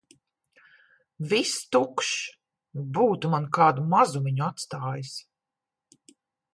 Viss tukšs. Būtu man kādu mazumiņu atstājis!